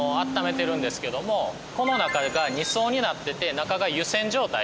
この中が２層になってて中が湯煎状態。